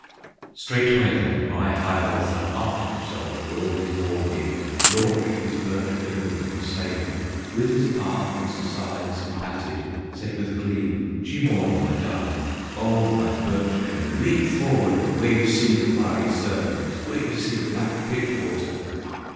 Straightway then my Hiawatha Armed himself with all his war gear, Launched his birch canoe for sailing; With his palm its sides he patted, Said with glee, "Cheemaun, my darling, O my Birch canoe! leap forward, Where you see the fiery serpents, Where you see the black pitch water!"